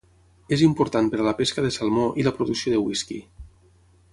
És important per a la pesca de salmó i la producció de whisky.